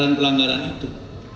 dan pelanggaran itu